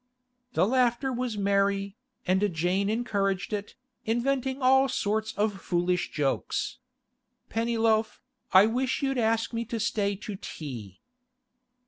The laughter was merry, and Jane encouraged it, inventing all sorts of foolish jokes. 'Pennyloaf, I wish you'd ask me to stay to tea.